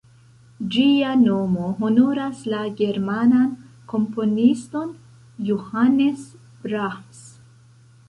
Ĝia nomo honoras la germanan komponiston Johannes Brahms.